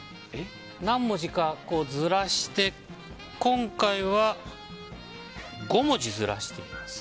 何文字かずらして今回は５文字ずらしています。